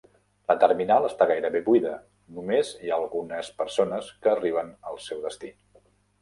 La terminal està gairebé buida, només hi ha algunes persones que arriben al seu destí.